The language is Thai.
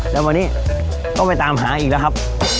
แล้ววันนี้ต้องไปตามหาอีกแล้วครับ